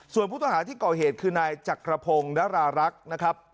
ส่วนผู้ต้องหาที่ก่อเหตุคือนายจักรพงศ์นรารักษ์นะครับ